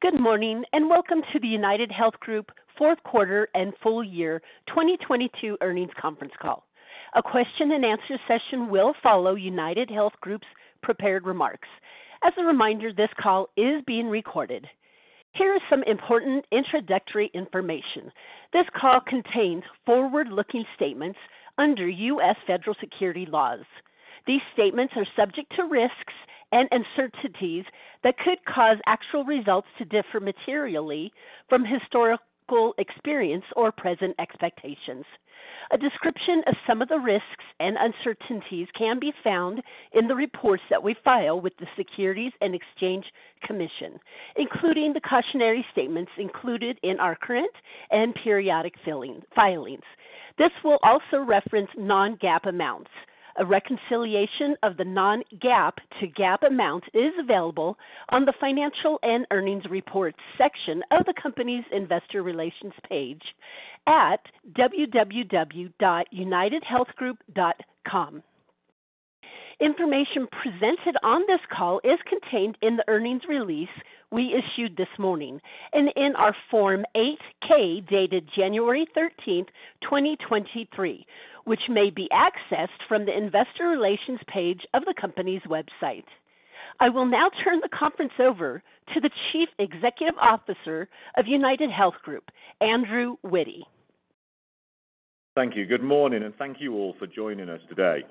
Good morning, welcome to the UnitedHealth Group Q4 and full year 2022 earnings conference call. A question-and-answer session will follow UnitedHealth Group's prepared remarks. As a reminder, this call is being recorded. Here is some important introductory information. This call contains forward-looking statements under U.S. federal security laws. These statements are subject to risks and uncertainties that could cause actual results to differ materially from historical experience or present expectations. A description of some of the risks and uncertainties can be found in the reports that we file with the Securities and Exchange Commission, including the cautionary statements included in our current and periodic filings. This will also reference non-GAAP amounts. A reconciliation of the non-GAAP to GAAP amount is available on the financial and earnings reports section of the company's investor relations page at www.unitedhealthgroup.com. Information presented on this call is contained in the earnings release we issued this morning and in our Form 8-K, dated January thirteenth, 2023, which may be accessed from the investor relations page of the company's website. I will now turn the conference over to the Chief Executive Officer of UnitedHealth Group, Andrew Witty. Thank you. Good morning, and thank you all for joining us today.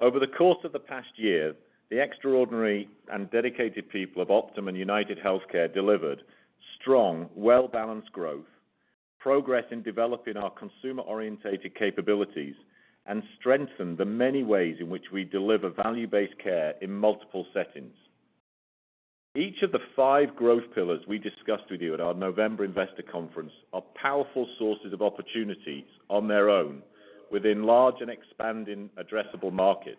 Over the course of the past year, the extraordinary and dedicated people of Optum and UnitedHealthcare delivered strong, well-balanced growth, progress in developing our consumer-orientated capabilities and strengthened the many ways in which we deliver value-based care in multiple settings. Each of the five growth pillars we discussed with you at our November investor conference are powerful sources of opportunities on their own within large and expanding addressable markets.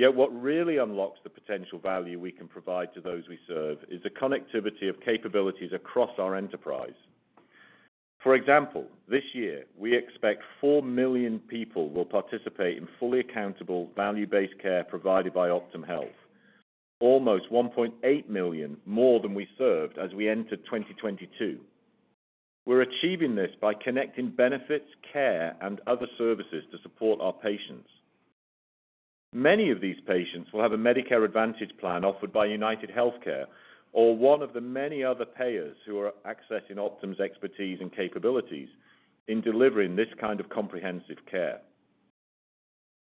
What really unlocks the potential value we can provide to those we serve is the connectivity of capabilities across our enterprise. For example, this year, we expect 4 million people will participate in fully accountable value-based care provided by Optum Health, almost 1.8 million more than we served as we entered 2022. We're achieving this by connecting benefits, care, and other services to support our patients. Many of these patients will have a Medicare Advantage plan offered by UnitedHealthcare or one of the many other payers who are accessing Optum's expertise and capabilities in delivering this kind of comprehensive care.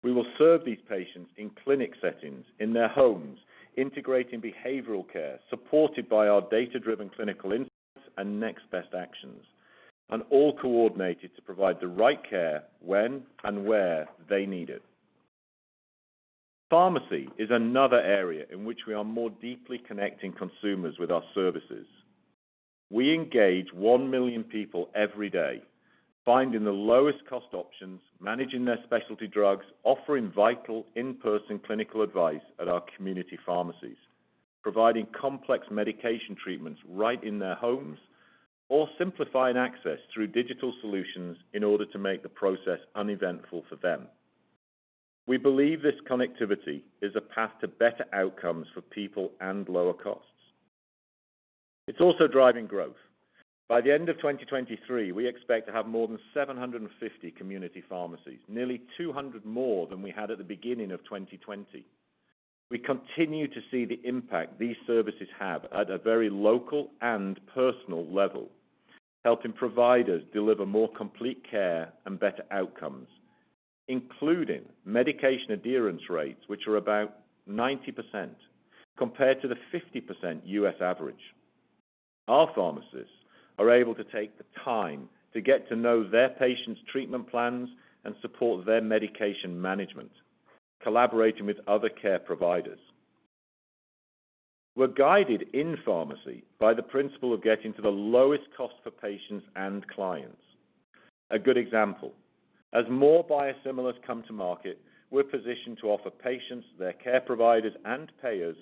We will serve these patients in clinic settings, in their homes, integrating behavioral care, supported by our data-driven clinical insights and next-best actions, and all coordinated to provide the right care when and where they need it. Pharmacy is another area in which we are more deeply connecting consumers with our services. We engage 1 million people every day, finding the lowest cost options, managing their specialty drugs, offering vital in-person clinical advice at our community pharmacies, providing complex medication treatments right in their homes, or simplifying access through digital solutions in order to make the process uneventful for them. We believe this connectivity is a path to better outcomes for people and lower costs. It's also driving growth. By the end of 2023, we expect to have more than 750 community pharmacies, nearly 200 more than we had at the beginning of 2020. We continue to see the impact these services have at a very local and personal level, helping providers deliver more complete care and better outcomes, including medication adherence rates, which are about 90% compared to the 50% US average. Our pharmacists are able to take the time to get to know their patients' treatment plans and support their medication management, collaborating with other care providers. We're guided in pharmacy by the principle of getting to the lowest cost for patients and clients. A good example, as more biosimilars come to market, we're positioned to offer patients, their care providers, and payers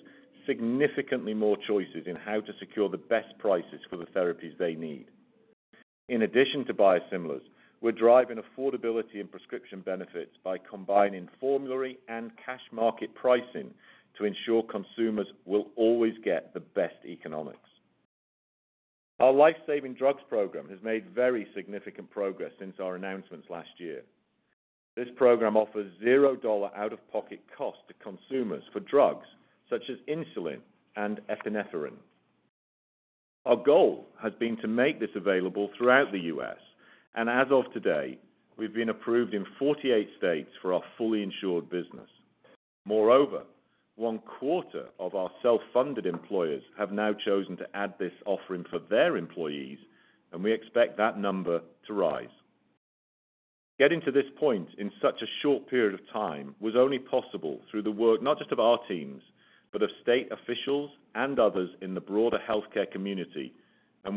significantly more choices in how to secure the best prices for the therapies they need. In addition to biosimilars, we're driving affordability and prescription benefits by combining formulary and cash market pricing to ensure consumers will always get the best economics. Our life-saving drugs program has made very significant progress since our announcements last year. This program offers $0 out-of-pocket cost to consumers for drugs such as insulin and epinephrine. Our goal has been to make this available throughout the U.S., and as of today, we've been approved in 48 states for our fully insured business. Moreover, one-quarter of our self-funded employers have now chosen to add this offering for their employees, and we expect that number to rise. Getting to this point in such a short period of time was only possible through the work, not just of our teams, but of state officials and others in the broader healthcare community.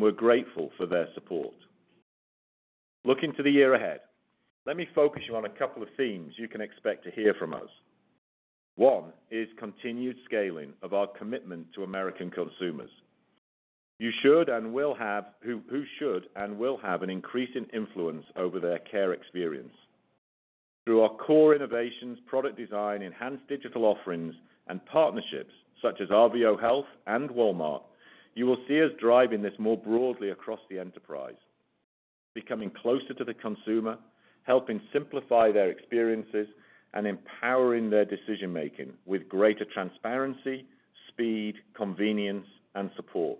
We're grateful for their support. Looking to the year ahead, let me focus you on a couple of themes you can expect to hear from us. One is continued scaling of our commitment to American consumers. You should and will have who should and will have an increasing influence over their care experience. Through our core innovations, product design, enhanced digital offerings, and partnerships such as RVO Health and Walmart, you will see us driving this more broadly across the enterprise, becoming closer to the consumer, helping simplify their experiences, and empowering their decision-making with greater transparency, speed, convenience, and support.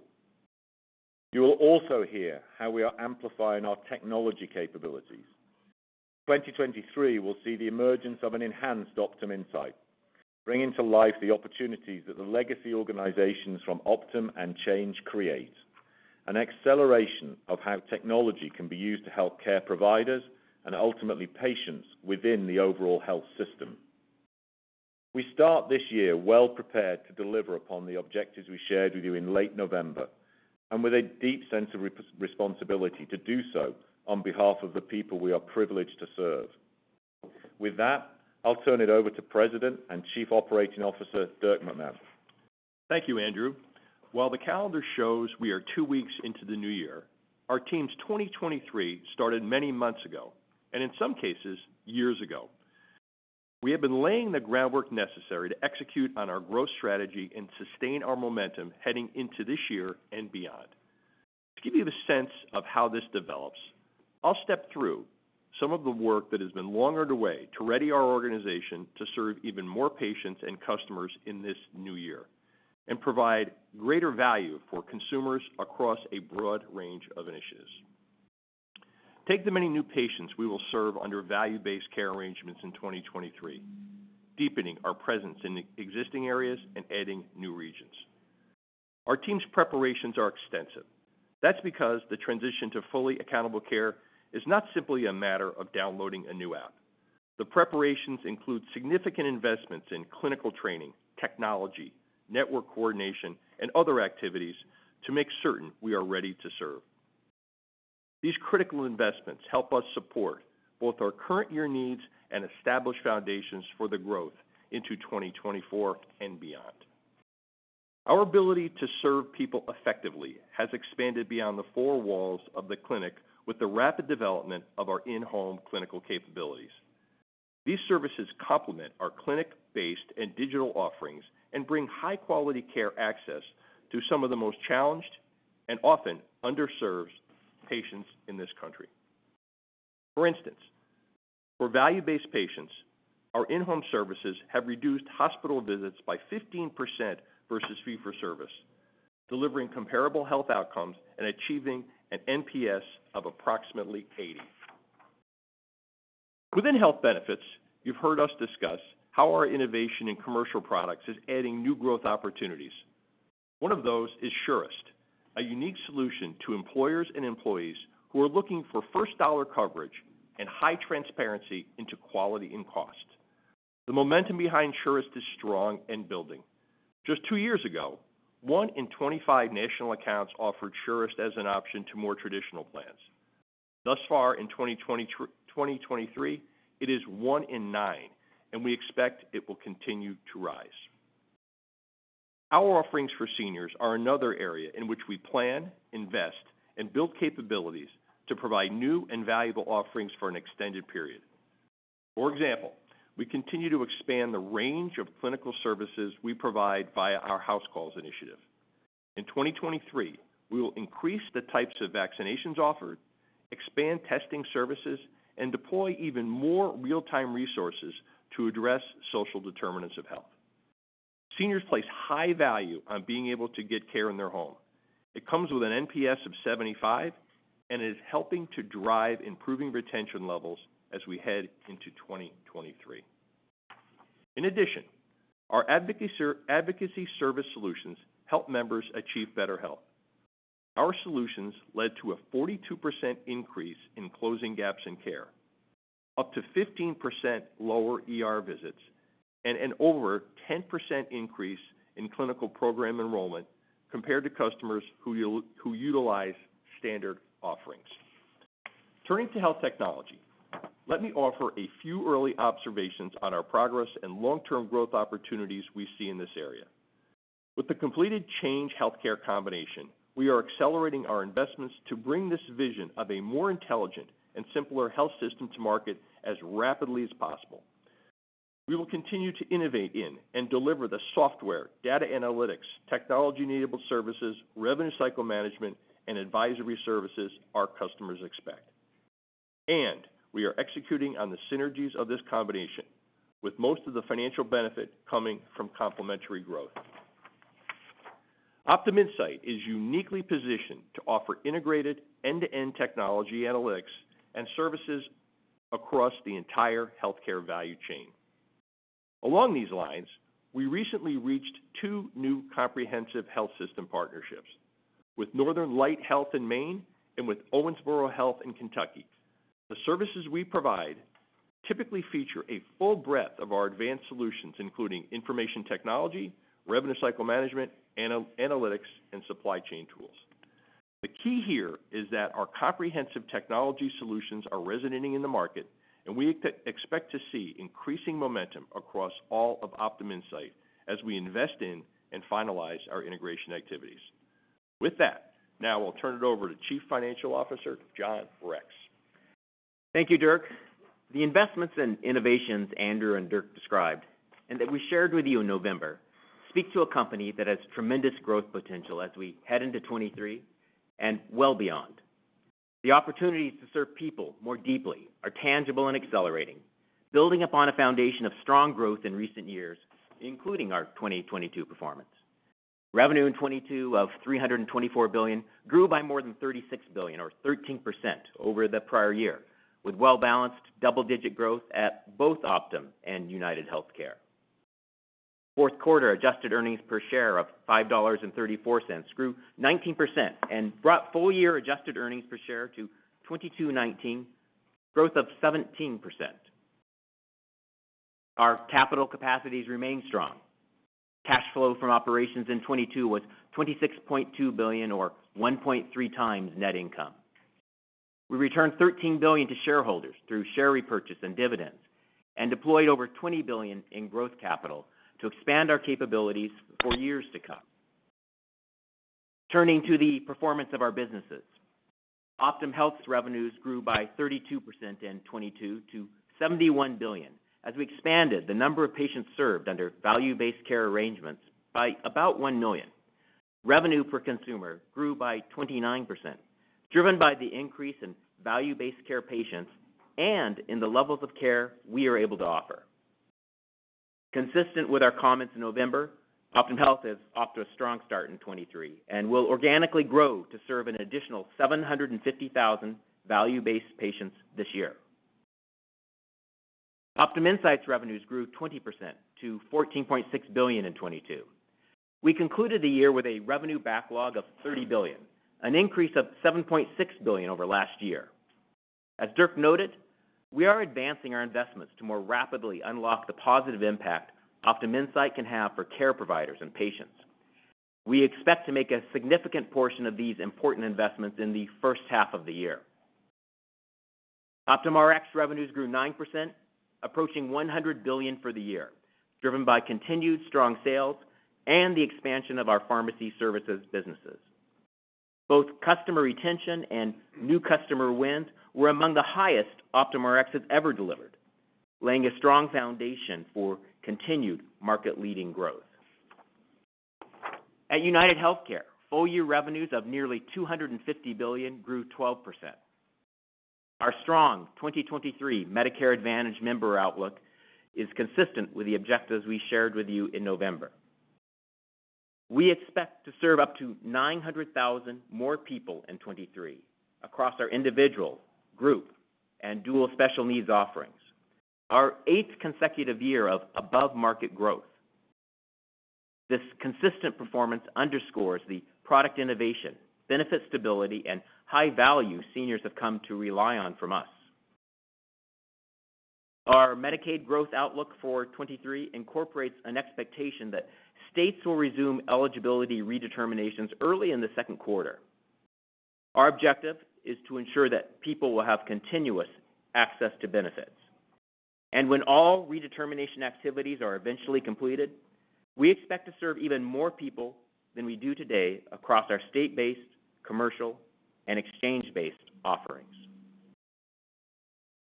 You will also hear how we are amplifying our technology capabilities. 2023 will see the emergence of an enhanced Optum Insight, bringing to life the opportunities that the legacy organizations from Optum and Change create, an acceleration of how technology can be used to help care providers and ultimately patients within the overall health system. We start this year well prepared to deliver upon the objectives we shared with you in late November and with a deep sense of responsibility to do so on behalf of the people we are privileged to serve. With that, I'll turn it over to President and Chief Operating Officer, Dirk McMahon. Thank you, Andrew. While the calendar shows we are two weeks into the new year, our team's 2023 started many months ago, and in some cases, years ago. We have been laying the groundwork necessary to execute on our growth strategy and sustain our momentum heading into this year and beyond. To give you the sense of how this develops, I'll step through some of the work that has been longer the way to ready our organization to serve even more patients and customers in this new year, and provide greater value for consumers across a broad range of initiatives. Take the many new patients we will serve under value-based care arrangements in 2023, deepening our presence in existing areas and adding new regions. Our team's preparations are extensive. That's because the transition to fully accountable care is not simply a matter of downloading a new app. The preparations include significant investments in clinical training, technology, network coordination, and other activities to make certain we are ready to serve. These critical investments help us support both our current year needs and establish foundations for the growth into 2024 and beyond. Our ability to serve people effectively has expanded beyond the four walls of the clinic with the rapid development of our in-home clinical capabilities. These services complement our clinic-based and digital offerings and bring high-quality care access to some of the most challenged and often underserved patients in this country. For instance, for value-based patients, our in-home services have reduced hospital visits by 15% versus fee-for-service, delivering comparable health outcomes and achieving an NPS of approximately 80. Within health benefits, you've heard us discuss how our innovation in commercial products is adding new growth opportunities. One of those is Surest, a unique solution to employers and employees who are looking for first-dollar coverage and high transparency into quality and cost. The momentum behind Surest is strong and building. Just two years ago, one in 25 national accounts offered Surest as an option to more traditional plans. Thus far in 2023, it is one in nine, and we expect it will continue to rise. Our offerings for seniors are another area in which we plan, invest, and build capabilities to provide new and valuable offerings for an extended period. For example, we continue to expand the range of clinical services we provide via our House Calls initiative. In 2023, we will increase the types of vaccinations offered, expand testing services, and deploy even more real-time resources to address social determinants of health. Seniors place high value on being able to get care in their home. It comes with an NPS of 75 and is helping to drive improving retention levels as we head into 2023. In addition, our advocacy service solutions help members achieve better health. Our solutions led to a 42% increase in closing gaps in care, up to 15% lower ER visits, and an over 10% increase in clinical program enrollment compared to customers who utilize standard offerings. Turning to health technology, let me offer a few early observations on our progress and long-term growth opportunities we see in this area. With the completed Change Healthcare combination, we are accelerating our investments to bring this vision of a more intelligent and simpler health system to market as rapidly as possible. We will continue to innovate in and deliver the software, data analytics, technology-enabled services, revenue cycle management, and advisory services our customers expect. We are executing on the synergies of this combination with most of the financial benefit coming from complementary growth. Optum Insight is uniquely positioned to offer integrated end-to-end technology analytics and services across the entire healthcare value chain. Along these lines, we recently reached two new comprehensive health system partnerships with Northern Light Health in Maine and with Owensboro Health in Kentucky. The services we provide typically feature a full breadth of our advanced solutions, including information technology, revenue cycle management, analytics, and supply chain tools. The key here is that our comprehensive technology solutions are resonating in the market, we expect to see increasing momentum across all of Optum Insight as we invest in and finalize our integration activities. With that, now I'll turn it over to Chief Financial Officer, John Rex. Thank you, Dirk. The investments and innovations Andrew and Dirk described, and that we shared with you in November, speak to a company that has tremendous growth potential as we head into 2023 and well beyond. The opportunities to serve people more deeply are tangible and accelerating, building upon a foundation of strong growth in recent years, including our 2022 performance. Revenue in 2022 of $324 billion grew by more than $36 billion or 13% over the prior year, with well-balanced double-digit growth at both Optum and UnitedHealthcare. Q4 adjusted earnings per share of $5.34 grew 19% and brought full-year adjusted earnings per share to $22.19, growth of 17%. Our capital capacities remain strong. Cash flow from operations in 2022 was $26.2 billion or 1.3 times net income. We returned $13 billion to shareholders through share repurchase and dividends and deployed over $20 billion in growth capital to expand our capabilities for years to come. Turning to the performance of our businesses. Optum Health's revenues grew by 32% in 2022 to $71 billion as we expanded the number of patients served under value-based care arrangements by about 1 million. Revenue per consumer grew by 29%, driven by the increase in value-based care patients and in the levels of care we are able to offer. Consistent with our comments in November, Optum Health is off to a strong start in 2023 and will organically grow to serve an additional 750,000 value-based patients this year. Optum Insight's revenues grew 20% to $14.6 billion in 2022. We concluded the year with a revenue backlog of $30 billion, an increase of $7.6 billion over last year. As Dirk noted, we are advancing our investments to more rapidly unlock the positive impact Optum Insight can have for care providers and patients. We expect to make a significant portion of these important investments in the H1 of the year. Optum Rx revenues grew 9%, approaching $100 billion for the year, driven by continued strong sales and the expansion of our pharmacy services businesses. Both customer retention and new customer wins were among the highest Optum Rx has ever delivered, laying a strong foundation for continued market-leading growth. At UnitedHealthcare, full-year revenues of nearly $250 billion grew 12%. Our strong 2023 Medicare Advantage member outlook is consistent with the objectives we shared with you in November. We expect to serve up to 900,000 more people in 2023 across our individual, group, and Dual Special Needs offerings. Our eighth consecutive year of above-market growth. This consistent performance underscores the product innovation, benefit stability, and high value seniors have come to rely on from us. Our Medicaid growth outlook for 2023 incorporates an expectation that states will resume eligibility redeterminations early in the Q2. When all redetermination activities are eventually completed, we expect to serve even more people than we do today across our state-based, commercial, and exchange-based offerings.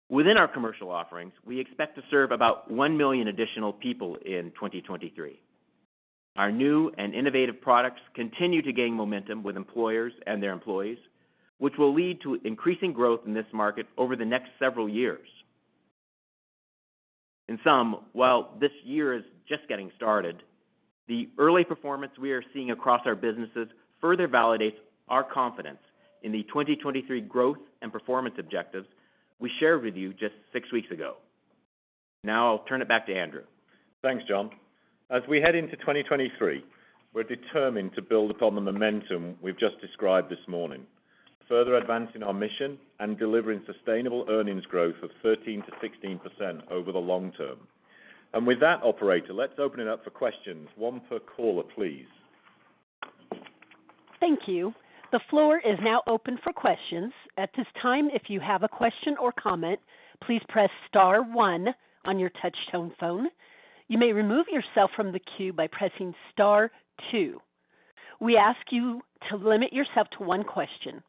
Within our commercial offerings, we expect to serve about 1 million additional people in 2023. Our new and innovative products continue to gain momentum with employers and their employees, which will lead to increasing growth in this market over the next several years. In sum, while this year is just getting started, the early performance we are seeing across our businesses further validates our confidence in the 2023 growth and performance objectives we shared with you just six weeks ago. Now I'll turn it back to Andrew. Thanks, John. As we head into 2023, we're determined to build upon the momentum we've just described this morning, further advancing our mission and delivering sustainable earnings growth of 13%-16% over the long term. With that, operator, let's open it up for questions. 1 per caller, please. Thank you. The floor is now open for questions. At this time, if you have a question or comment, please press star one on your touch-tone phone. You may remove yourself from the queue by pressing star two. We ask you to limit yourself to one question.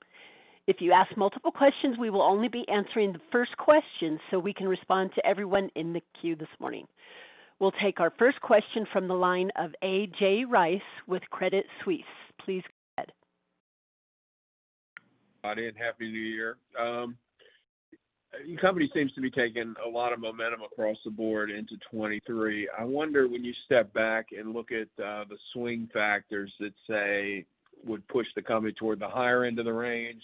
If you ask multiple questions, we will only be answering the first question so we can respond to everyone in the queue this morning. We'll take our first question from the line of A.J. Rice with Credit Suisse. Please go ahead. Good morning, happy New Year. Your company seems to be taking a lot of momentum across the board into 2023. I wonder when you step back and look at the swing factors that, say, would push the company toward the higher end of the range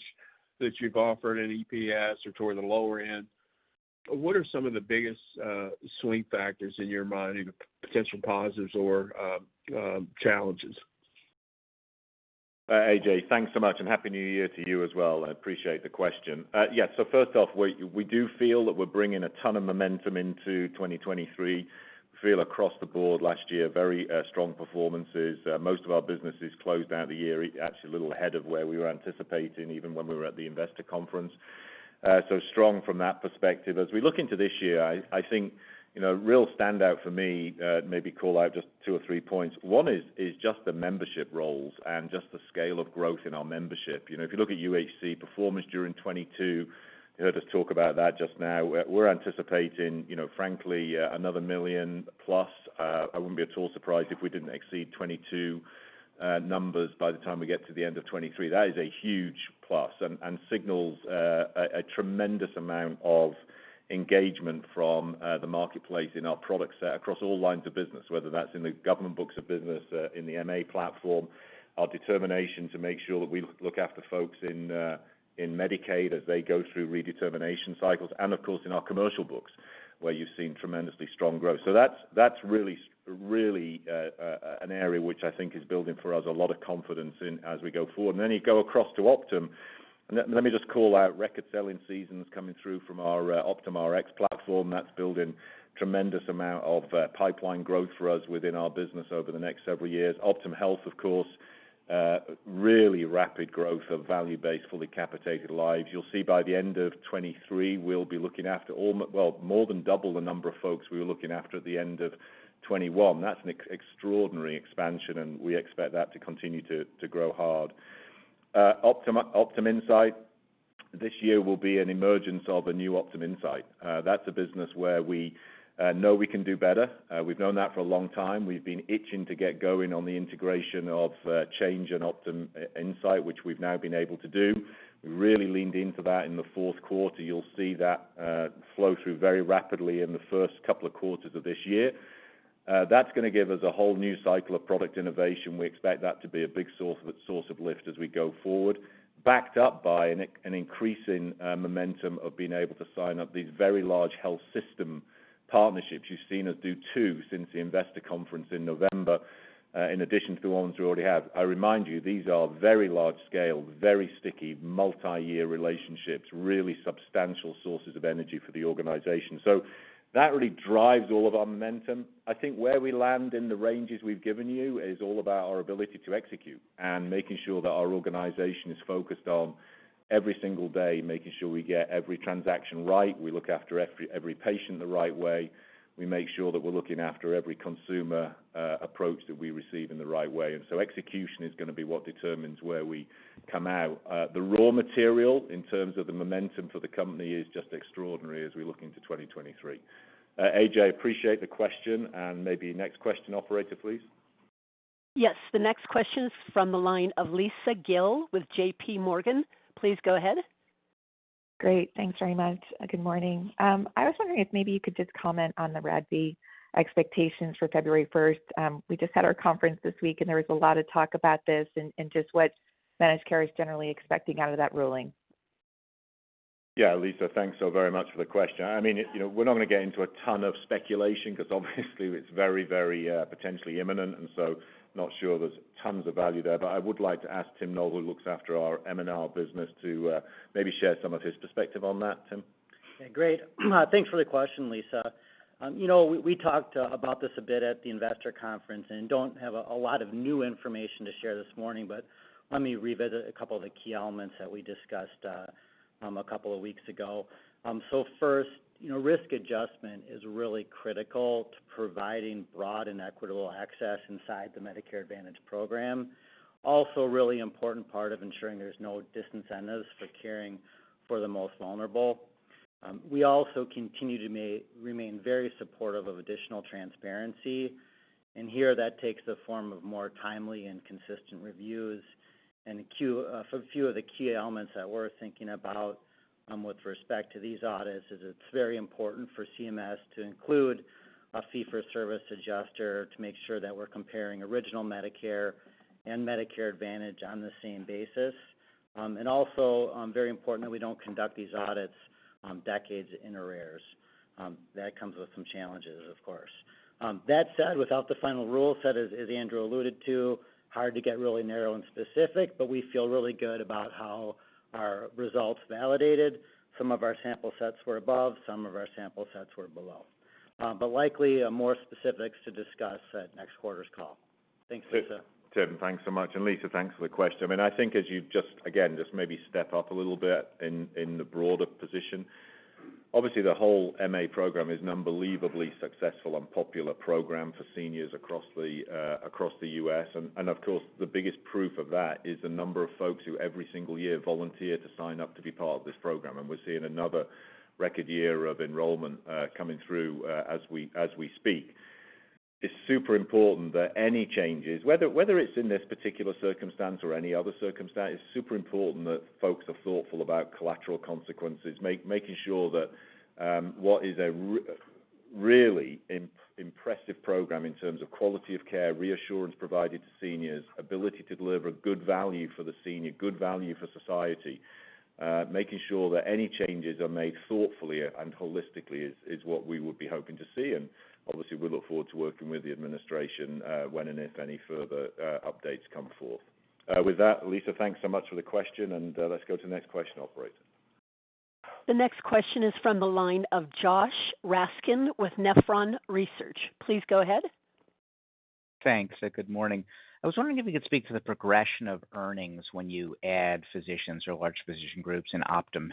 that you've offered in EPS or toward the lower end. What are some of the biggest swing factors in your mind, either potential positives or challenges? AJ, thanks so much, happy New Year to you as well. I appreciate the question. First off, we do feel that we're bringing a ton of momentum into 2023. Feel across the board last year, very strong performances. Most of our businesses closed out the year actually a little ahead of where we were anticipating, even when we were at the investor conference. Strong from that perspective. As we look into this year, I think, you know, real standout for me, maybe call out just 2 or 3 points. One is just the membership roles and just the scale of growth in our membership. You know, if you look at UnitedHealthcare performance during 2022, you heard us talk about that just now. We're anticipating, you know, frankly, another 1 million-plus. I wouldn't be at all surprised if we didn't exceed 2022 numbers by the time we get to the end of 2023. That is a huge plus, and signals a tremendous amount of engagement from the marketplace in our product set across all lines of business, whether that's in the government books of business, in the MA platform, our determination to make sure that we look after folks in Medicaid as they go through redetermination cycles, and of course, in our commercial books, where you've seen tremendously strong growth. That's really, really an area which I think is building for us a lot of confidence in as we go forward. You go across to Optum. Let me just call out record selling seasons coming through from our Optum Rx platform. That's building tremendous amount of pipeline growth for us within our business over the next several years. Optum Health, of course, really rapid growth of value-based fully capitated lives. You'll see by the end of 2023, we'll be looking after well, more than double the number of folks we were looking after at the end of 2021. That's an extraordinary expansion, and we expect that to continue to grow hard. Optum Insight this year will be an emergence of a new Optum Insight. That's a business where we know we can do better. We've known that for a long time. We've been itching to get going on the integration of Change and Optum Insight, which we've now been able to do. We really leaned into that in the Q4. You'll see that flow through very rapidly in the first couple of quarters of this year. That's gonna give us a whole new cycle of product innovation. We expect that to be a big source of lift as we go forward, backed up by an increasing momentum of being able to sign up these very large health system partnerships. You've seen us do two since the investor conference in November, in addition to the ones we already have. I remind you, these are very large scale, very sticky, multi-year relationships, really substantial sources of energy for the organization. That really drives all of our momentum. I think where we land in the ranges we've given you is all about our ability to execute and making sure that our organization is focused on every single day, making sure we get every transaction right. We look after every patient the right way. We make sure that we're looking after every consumer approach that we receive in the right way. Execution is gonna be what determines where we come out. The raw material in terms of the momentum for the company is just extraordinary as we look into 2023. A.J., appreciate the question, and maybe next question, operator, please. Yes. The next question is from the line of Lisa Gill with JPMorgan. Please go ahead. Great. Thanks very much. Good morning. I was wondering if maybe you could just comment on the RADV expectations for February 1st. We just had our conference this week, there was a lot of talk about this and just what managed care is generally expecting out of that ruling. Yeah. Lisa, thanks so very much for the question. I mean, you know, we're not gonna get into a ton of speculation because obviously it's very, very, potentially imminent, and so not sure there's tons of value there. I would like to ask Tim Noel, who looks after our M&R business, to maybe share some of his perspective on that. Tim? Great. Thanks for the question, Lisa. you know, we talked about this a bit at the investor conference and don't have a lot of new information to share this morning, but let me revisit a couple of the key elements that we discussed a couple of weeks ago. First, you know, risk adjustment is really critical to providing broad and equitable access inside the Medicare Advantage program. Really important part of ensuring there's no disincentives for caring for the most vulnerable. We also continue to remain very supportive of additional transparency, and here that takes the form of more timely and consistent reviews. A few of the key elements that we're thinking about with respect to these audits is, it's very important for CMS to include a fee-for-service adjuster to make sure that we're comparing original Medicare and Medicare Advantage on the same basis. Also, very important that we don't conduct these audits decades in arrears. That comes with some challenges, of course. That said, without the final rule set, as Andrew alluded to, hard to get really narrow and specific, but we feel really good about how our results validated. Some of our sample sets were above, some of our sample sets were below. Likely, more specifics to discuss at next quarter's call. Thanks, Lisa. Tim, thanks so much. Lisa, thanks for the question. I mean, I think as you just, again, just maybe step up a little bit in the broader position. Obviously, the whole MA program is an unbelievably successful and popular program for seniors across the U.S. Of course, the biggest proof of that is the number of folks who every single year volunteer to sign up to be part of this program. We're seeing another record year of enrollment coming through as we speak. It's super important that any changes, whether it's in this particular circumstance or any other circumstance, it's super important that folks are thoughtful about collateral consequences, making sure that what is a really impressive program in terms of quality of care, reassurance provided to seniors, ability to deliver good value for the senior, good value for society, making sure that any changes are made thoughtfully and holistically is what we would be hoping to see. Obviously, we look forward to working with the administration when and if any further updates come forth. With that, Lisa, thanks so much for the question, and let's go to the next question, operator. The next question is from the line of Joshua Raskin with Nephron Research. Please go ahead. Thanks. Good morning. I was wondering if you could speak to the progression of earnings when you add physicians or large physician groups in Optum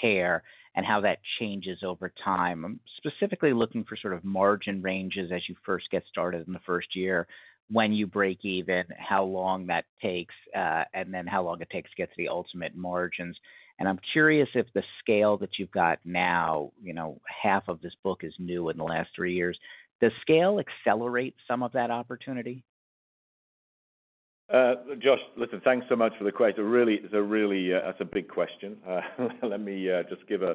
Care and how that changes over time. I'm specifically looking for sort of margin ranges as you first get started in the first year, when you break even, how long that takes, and then how long it takes to get to the ultimate margins. I'm curious if the scale that you've got now, you know, half of this book is new in the last three years. Does scale accelerate some of that opportunity? Josh, listen, thanks so much for the question. It's a really, that's a big question. Let me just give a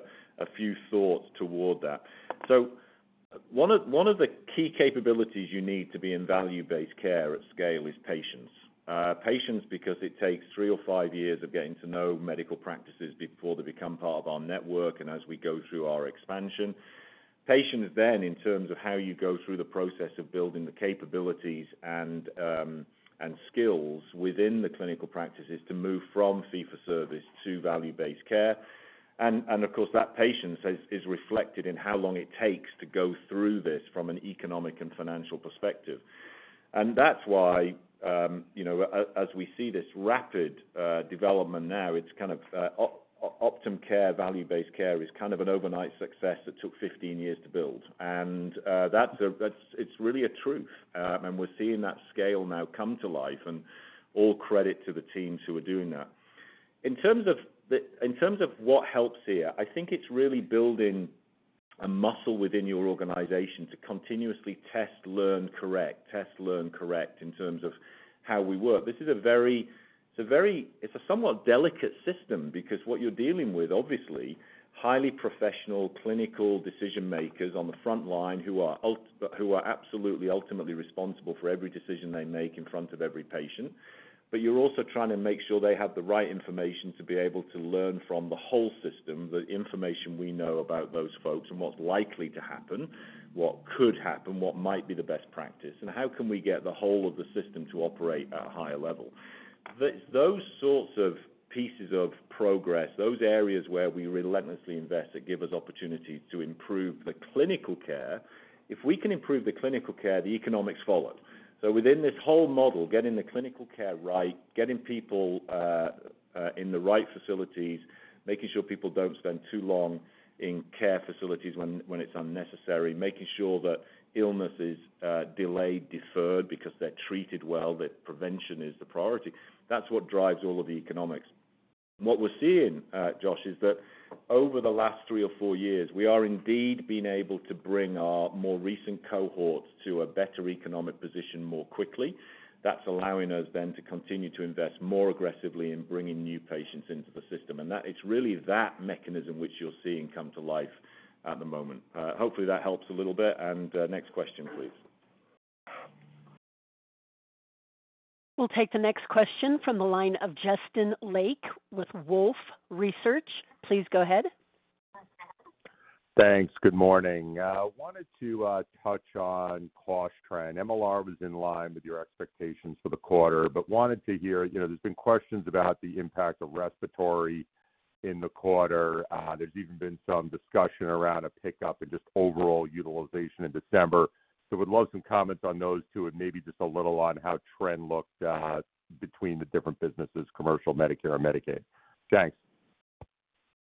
few thoughts toward that. One of the key capabilities you need to be in value-based care at scale is patience. Patience because it takes three or five years of getting to know medical practices before they become part of our network, and as we go through our expansion. Patience then in terms of how you go through the process of building the capabilities and skills within the clinical practices to move from fee-for-service to value-based care. Of course, that patience is reflected in how long it takes to go through this from an economic and financial perspective. That's why, you know, as we see this rapid development now, it's kind of Optum Care, value-based care is kind of an overnight success that took 15 years to build. That's, it's really a truth. We're seeing that scale now come to life and all credit to the teams who are doing that. In terms of what helps here, I think it's really building a muscle within your organization to continuously test, learn, correct. Test, learn, correct in terms of how we work. This is a very, it's a somewhat delicate system because what you're dealing with, obviously, highly professional clinical decision makers on the frontline who are absolutely ultimately responsible for every decision they make in front of every patient. You're also trying to make sure they have the right information to be able to learn from the whole system, the information we know about those folks and what's likely to happen, what could happen, what might be the best practice, and how can we get the whole of the system to operate at a higher level. Those sorts of pieces of progress, those areas where we relentlessly invest that give us opportunity to improve the clinical care, if we can improve the clinical care, the economics follow. Within this whole model, getting the clinical care right, getting people in the right facilities, making sure people don't spend too long in care facilities when it's unnecessary, making sure that illness is delayed, deferred because they're treated well, that prevention is the priority. That's what drives all of the economics. What we're seeing, Josh, is that over the last three or four years, we are indeed being able to bring our more recent cohorts to a better economic position more quickly. That's allowing us then to continue to invest more aggressively in bringing new patients into the system. It's really that mechanism which you're seeing come to life at the moment. Hopefully, that helps a little bit. Next question, please. We'll take the next question from the line of Justin Lake with Wolfe Research. Please go ahead. Thanks. Good morning. wanted to touch on cost trend. MLR was in line with your expectations for the quarter. wanted to hear, you know, there's been questions about the impact of respiratory in the quarter. there's even been some discussion around a pickup in just overall utilization in December. would love some comments on those two, and maybe just a little on how trend looked between the different businesses, commercial Medicare and Medicaid. Thanks.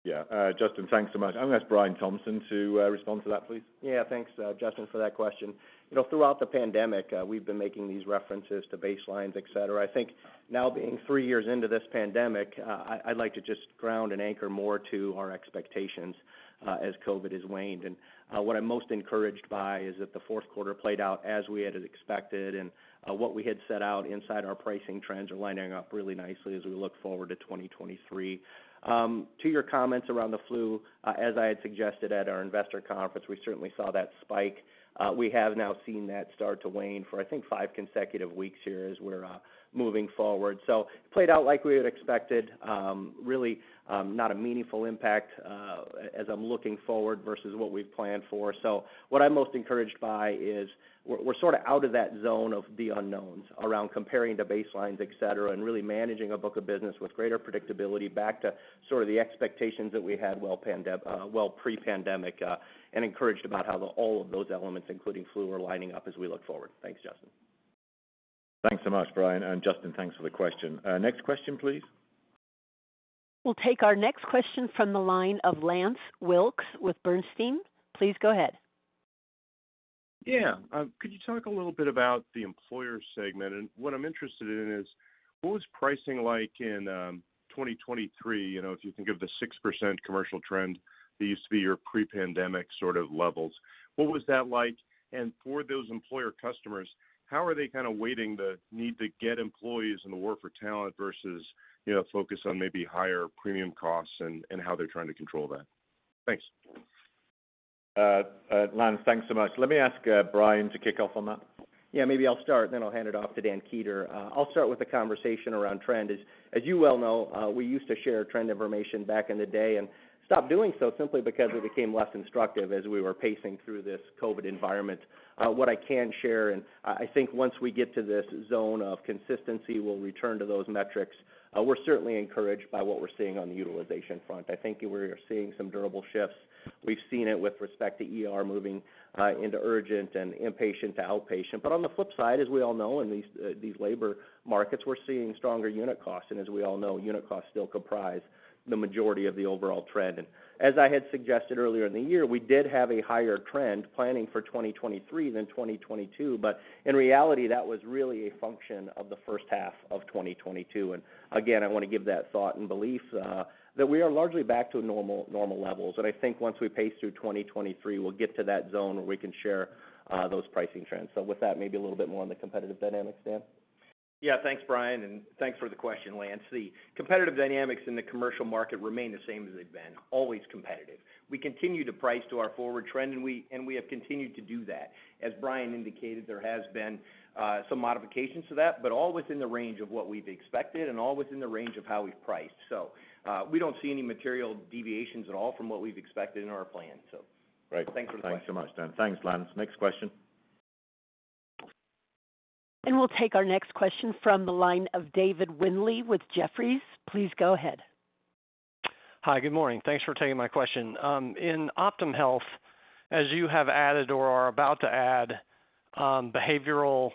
Yeah, Justin, thanks so much. I'm gonna ask Brian Thompson to respond to that, please. Yeah, thanks, Justin, for that question. You know, throughout the pandemic, we've been making these references to baselines, et cetera. I think no three years into this pandemic, I'd like to just ground and anchor more to our expectations as COVID has waned. What I'm most encouraged by is that the Q4 played out as we had expected, and what we had set out inside our pricing trends are lining up really nicely as we look forward to 2023. To your comments around the flu, as I had suggested at our investor conference, we certainly saw that spike. We have now seen that start to wane for, I think, Five consecutive weeks here as we're moving forward. Played out like we had expected. Really, not a meaningful impact, as I'm looking forward versus what we've planned for. What I'm most encouraged by is we're sort of out of that zone of the unknowns around comparing the baselines, et cetera, and really managing our book of business with greater predictability back to sort of the expectations that we had well pre-pandemic, and encouraged about how all of those elements, including flu, are lining up as we look forward. Thanks, Justin. Thanks so much, Brian. Justin, thanks for the question. Next question, please. We'll take our next question from the line of Lance Wilkes with Bernstein. Please go ahead. Could you talk a little bit about the employer segment? What I'm interested in is, what was pricing like in 2023? You know, if you think of the 6% commercial trend, that used to be your pre-pandemic sort of levels. What was that like? For those employer customers, how are they kind of weighting the need to get employees in the war for talent versus, you know, focus on maybe higher premium costs and how they're trying to control that? Thanks. Lance, thanks so much. Let me ask Brian to kick off on that. Maybe I'll start, then I'll hand it off to Dan Kueter. I'll start with the conversation around trend. As you well know, we used to share trend information back in the day and stopped doing so simply because it became less instructive as we were pacing through this COVID environment. What I can share, and I think once we get to this zone of consistency, we'll return to those metrics. We're certainly encouraged by what we're seeing on the utilization front. I think we're seeing some durable shifts. We've seen it with respect to ER moving into urgent and inpatient to outpatient. On the flip side, as we all know, in these labor markets, we're seeing stronger unit costs. As we all know, unit costs still comprise the majority of the overall trend. As I had suggested earlier in the year, we did have a higher trend planning for 2023 than 2022. In reality, that was really a function of the H1 of 2022. Again, I wanna give that thought and belief that we are largely back to normal levels. I think once we pace through 2023, we'll get to that zone where we can share those pricing trends. With that, maybe a little bit more on the competitive dynamics, Dan. Yeah. Thanks, Brian, and thanks for the question, Lance. The competitive dynamics in the commercial market remain the same as they've been, always competitive. We continue to price to our forward trend, and we have continued to do that. As Brian indicated, there has been some modifications to that, but all within the range of what we've expected and all within the range of how we've priced. We don't see any material deviations at all from what we've expected in our plan. Great. Thanks for the question. Thanks so much, Dan. Thanks, Lance. Next question. We'll take our next question from the line of David Windley with Jefferies. Please go ahead. Hi. Good morning. Thanks for taking my question. In Optum Health, as you have added or are about to add, behavioral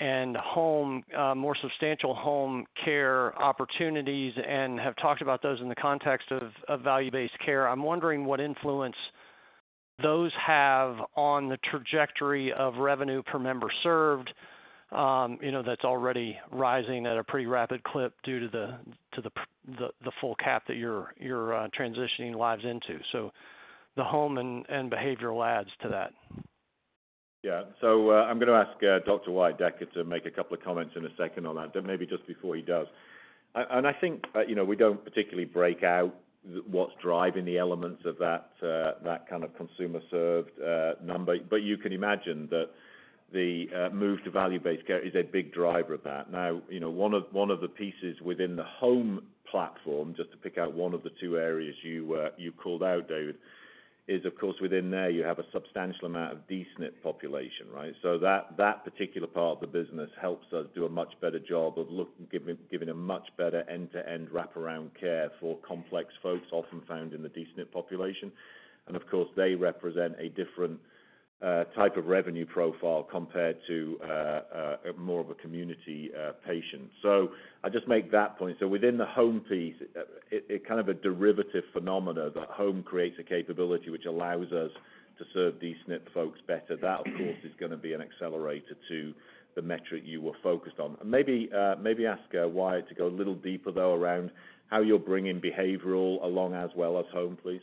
and home, more substantial home care opportunities and have talked about those in the context of value-based care, I'm wondering what influence those have on the trajectory of revenue per member served, you know, that's already rising at a pretty rapid clip due to the full cap that you're transitioning lives into. The home and behavioral adds to that. Yeah. I'm gonna ask Dr. Wyatt Decker to make a couple of comments in a second on that, but maybe just before he does. I think, you know, we don't particularly break out what's driving the elements of that kind of consumer served number, but you can imagine that the move to value-based care is a big driver of that. You know, one of the pieces within the home platform, just to pick out one of the two areas you called out, David, is, of course, within there, you have a substantial amount of D-SNP population, right? That particular part of the business helps us do a much better job of giving a much better end-to-end wraparound care for complex folks often found in the D-SNP population. Of course, they represent a different type of revenue profile compared to more of a community patient. I just make that point. Within the home piece, it kind of a derivative phenomena that home creates a capability which allows us to serve D-SNP folks better. That, of course, is gonna be an accelerator to the metric you were focused on. Maybe, maybe ask Wyatt to go a little deeper, though, around how you're bringing behavioral along as well as home, please.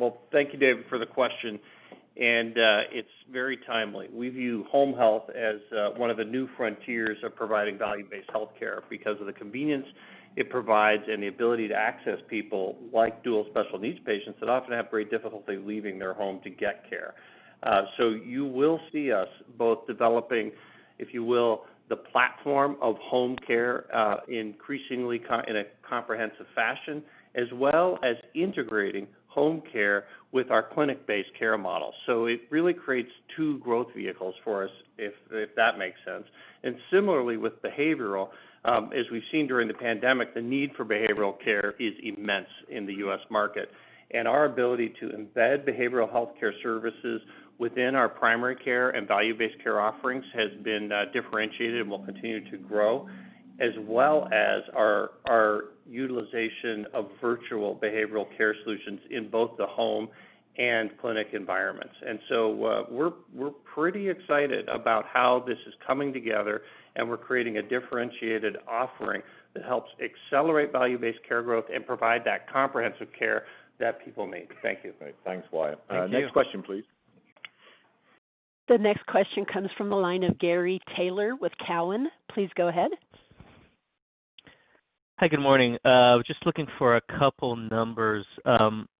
Well, thank you, David, for the question. It's very timely. We view home health as one of the new frontiers of providing value-based health care because of the convenience it provides and the ability to access people like Dual Special Needs patients that often have great difficulty leaving their home to get care. You will see us both developing, if you will, the platform of home care, increasingly in a comprehensive fashion, as well as integrating home care with our clinic-based care model. It really creates two growth vehicles for us, if that makes sense. Similarly, with behavioral, as we've seen during the pandemic, the need for behavioral care is immense in the U.S. market. Our ability to embed behavioral health care services within our primary care and value-based care offerings has been differentiated and will continue to grow, as well as our utilization of virtual behavioral care solutions in both the home and clinic environments. We're pretty excited about how this is coming together, and we're creating a differentiated offering that helps accelerate value-based care growth and provide that comprehensive care that people need. Thank you. Great. Thanks, Wyatt. Thank you. Next question, please. The next question comes from the line of Gary Taylor with Cowen. Please go ahead. Hi, good morning. Just looking for a couple numbers.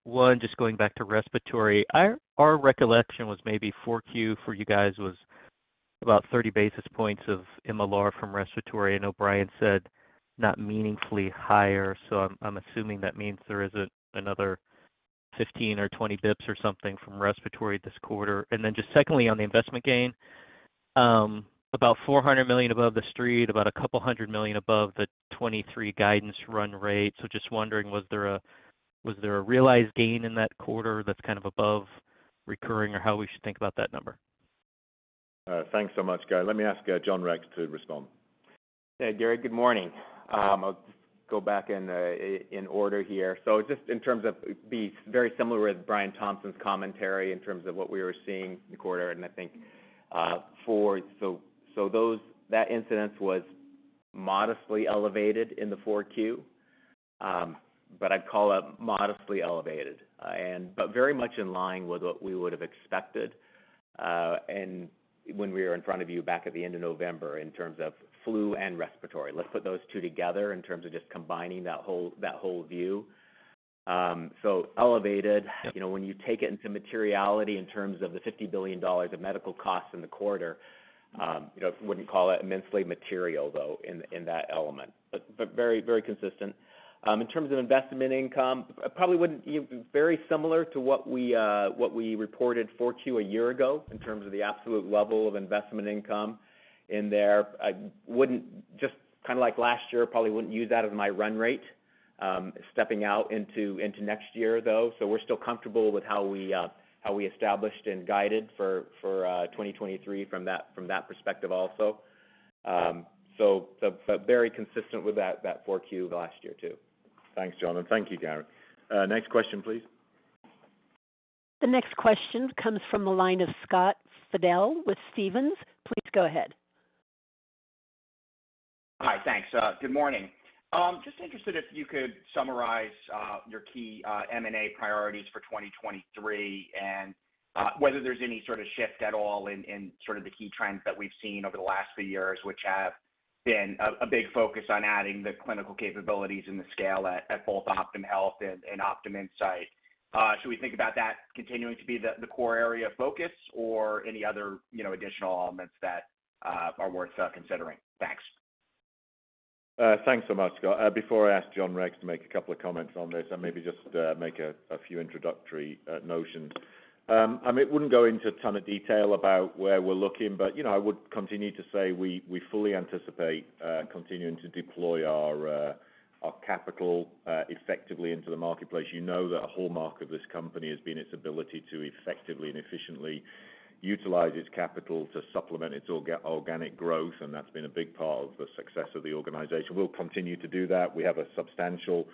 One, just going back to respiratory. Our recollection was maybe 4Q for you guys was about 30 basis points of MLR from respiratory. I know Brian said not meaningfully higher, so I'm assuming that means there is another 15 or 20 basis points or something from respiratory this quarter. Secondly, on the investment gain, about $400 million above the street, about $200 million above the 2023 guidance run rate. Just wondering, was there a realized gain in that quarter that's kind of above recurring, or how we should think about that number? Thanks so much, Gary. Let me ask John Rex to respond. Hey, Gary, good morning. I'll just go back in order here. Just in terms of very similar with Brian Thompson's commentary in terms of what we were seeing in the quarter, and I think that incidence was modestly elevated in the 4Q, but I'd call it modestly elevated and but very much in line with what we would have expected and when we were in front of you back at the end of November in terms of flu and respiratory. Let's put those two together in terms of just combining that whole, that whole view. Elevated, you know, when you take it into materiality in terms of the $50 billion of medical costs in the quarter, you know, wouldn't call it immensely material though in that element. But very, very consistent. In terms of investment income, probably wouldn't give very similar to what we reported for Q a year ago in terms of the absolute level of investment income in there. I wouldn't just kinda like last year, probably wouldn't use that as my run rate, stepping out into next year though. We're still comfortable with how we established and guided for 2023 from that perspective also. Very consistent with that 4Q of last year too. Thanks, John, thank you, Gary. Next question, please. The next question comes from the line of Scott Fidel with Stephens. Please go ahead. Hi. Thanks. Good morning. Just interested if you could summarize your key M&A priorities for 2023 and whether there's any sort of shift at all in sort of the key trends that we've seen over the last few years, which have been a big focus on adding the clinical capabilities and the scale at both Optum Health and Optum Insight. Should we think about that continuing to be the core area of focus or any other, you know, additional elements that are worth considering? Thanks. Thanks so much, Scott. Before I ask John Rex to make a couple of comments on this, I maybe just make a few introductory notions. I mean, it wouldn't go into a ton of detail about where we're looking, but, you know, I would continue to say we fully anticipate continuing to deploy our capital effectively into the marketplace. You know that a hallmark of this company has been its ability to effectively and efficiently utilize its capital to supplement its organic growth, and that's been a big part of the success of the organization. We'll continue to do that. We have a substantial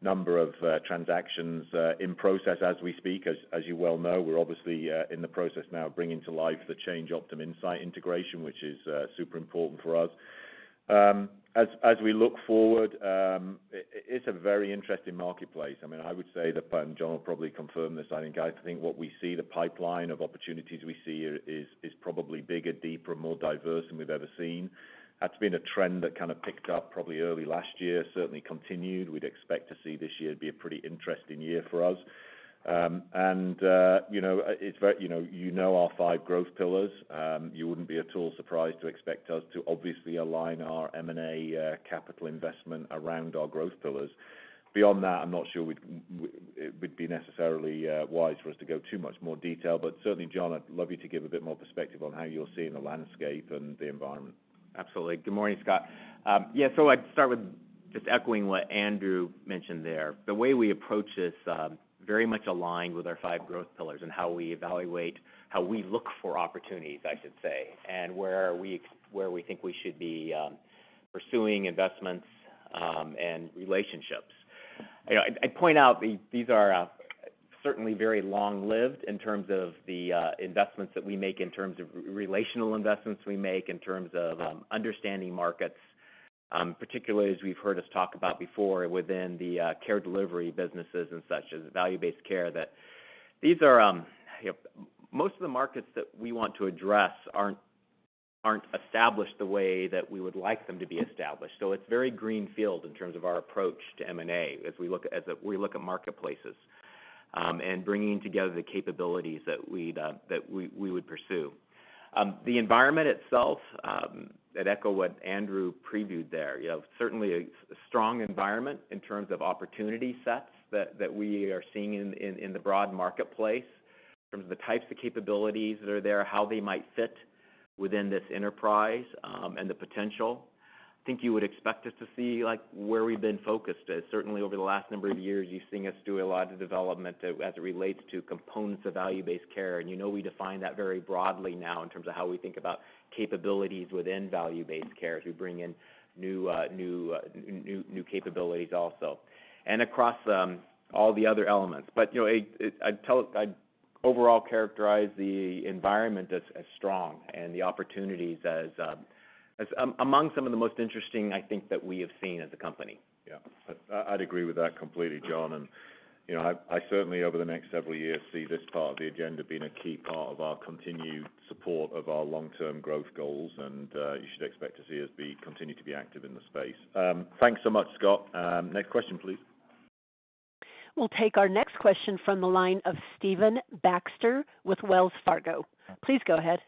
number of transactions in process as we speak. As you well know, we're obviously in the process now of bringing to life the Change Optum Insight integration, which is super important for us. As we look forward, it's a very interesting marketplace. I mean, I would say that, John will probably confirm this, I think what we see, the pipeline of opportunities we see here is probably bigger, deeper, more diverse than we've ever seen. That's been a trend that kind of picked up probably early last year, certainly continued. We'd expect to see this year to be a pretty interesting year for us. You know, you know our 5 growth pillars. You wouldn't be at all surprised to expect us to obviously align our M&A capital investment around our growth pillars. Beyond that, I'm not sure it would be necessarily wise for us to go too much more detail. Certainly, John, I'd love you to give a bit more perspective on how you're seeing the landscape and the environment. Absolutely. Good morning, Scott. I'd start with just echoing what Andrew mentioned there. The way we approach this, very much aligned with our five growth pillars and how we evaluate, how we look for opportunities, I should say, and where we think we should be pursuing investments and relationships. You know, I'd point out these are certainly very long-lived in terms of the investments that we make, in terms of relational investments we make, in terms of understanding markets, particularly as we've heard us talk about before within the care delivery businesses and such as value-based care, that these are most of the markets that we want to address aren't established the way that we would like them to be established. It's very green field in terms of our approach to M&A as we look at marketplaces, and bringing together the capabilities that we would pursue. The environment itself, I'd echo what Andrew previewed there. You know, certainly a strong environment in terms of opportunity sets that we are seeing in the broad marketplace, in terms of the types of capabilities that are there, how they might fit within this enterprise, and the potential. I think you would expect us to see where we've been focused. Certainly over the last number of years, you've seen us do a lot of development as it relates to components of value-based care. You know we define that very broadly now in terms of how we think about capabilities within value-based care to bring in new capabilities also, and across all the other elements. You know, I'd overall characterize the environment as strong and the opportunities as among some of the most interesting, I think, that we have seen as a company. Yeah. I'd agree with that completely, John. You know, I certainly, over the next several years, see this part of the agenda being a key part of our continued support of our long-term growth goals, and you should expect to see us continue to be active in the space. Thanks so much, Scott. Next question, please. We'll take our next question from the line of Stephen Baxter with Wells Fargo. Please go ahead.